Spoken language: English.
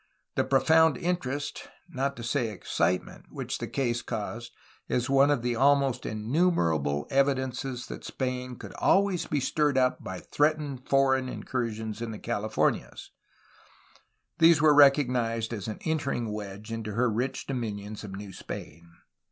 The profound interest, not to say excitement, which the case caused is one of the almost innumerable evidences that Spain could always be stirred up by threatened foreign incursions in the Cali f ornias, which were recognized as an entering wedge into her rich dominions of New Spain.